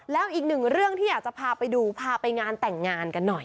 แล้วอีกหนึ่งเรื่องที่อยากจะพาไปดูพาไปงานแต่งงานกันหน่อย